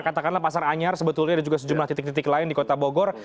katakanlah pasar anyar sebetulnya dan juga sejumlah titik titik lain di kota bogor